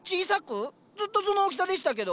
ずっとその大きさでしたけど？